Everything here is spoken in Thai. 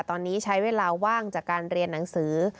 ตอนนี้ใช้เวลาว่างจากการเรียนหนังสือ